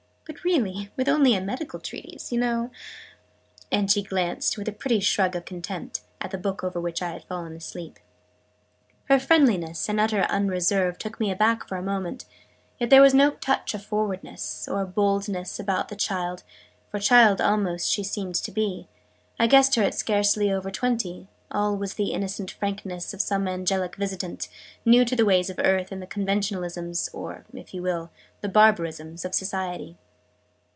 But really with only a medical treatise, you know " and she glanced, with a pretty shrug of contempt, at the book over which I had fallen asleep. Her friendliness, and utter unreserve, took me aback for a moment; yet there was no touch of forwardness, or boldness, about the child for child, almost, she seemed to be: I guessed her at scarcely over twenty all was the innocent frankness of some angelic visitant, new to the ways of earth and the conventionalisms or, if you will, the barbarisms of Society.